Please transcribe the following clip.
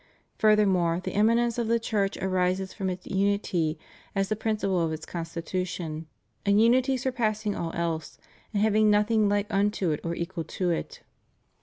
... Further more, the eminence of the Church arises from its unity, as the principle of its constitution — a unity surpassing all else, and having nothing hke unto it or equal to it.